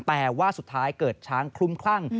แต่ว่าสุดท้ายเกิดช้างคลุ้มคลั่ง